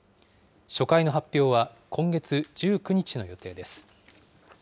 初回の発表は今月１９日の予定です。